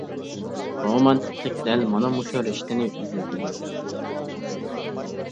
رومانتىكىلىق دەل مانا مۇشۇ رىشتىنى ئۈزۈۋېتىدۇ.